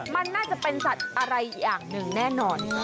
มันน่าจะเป็นสัตว์อะไรอย่างหนึ่งแน่นอน